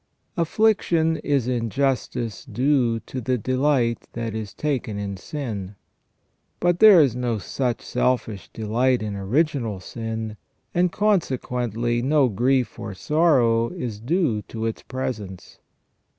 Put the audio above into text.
Affliction is in justice due to the delight that is taken in sin. But there is no such selfish delight in original sin, and consequently no grief or sorrow is due to its presence.